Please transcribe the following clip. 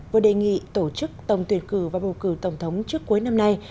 bầu cử và bầu cử tổng thống trước cuối năm nay